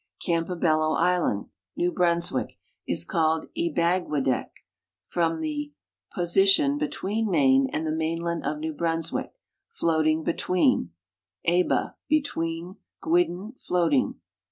Campobello island. New Brunswick, is called l^bagwidek, from its ])osi tion between Maine and the mainland of New Brunswick, "tloatiug between;" eba, between; gwiden, floating.